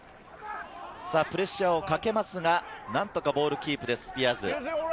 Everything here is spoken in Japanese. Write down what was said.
プレッシャーをかけますが、何とかボールをキープです、スピアーズ。